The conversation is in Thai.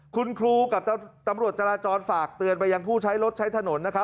คุณครูกับตำรวจจราจรฝากเตือนไปยังผู้ใช้รถใช้ถนนนะครับ